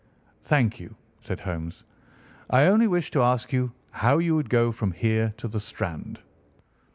"Thank you," said Holmes, "I only wished to ask you how you would go from here to the Strand."